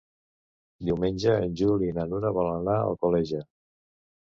Diumenge en Juli i na Nura volen anar a Alcoleja.